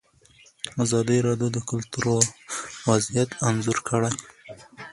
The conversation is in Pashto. ازادي راډیو د کلتور وضعیت انځور کړی.